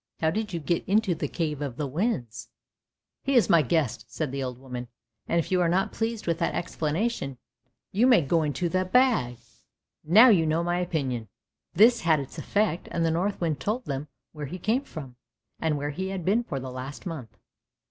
How did you get into the cave of the winds? "" He is my guest," said the old woman, " and if you are not pleased with that explanation you may go into the bag ! Now you know my opinion! " This had its effect, and the Northwind told them where he came from, and where he had been for the last month.